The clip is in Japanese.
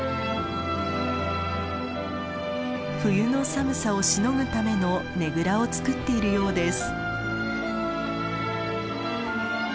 冬の寒さをしのぐためのねぐらを作っているようです。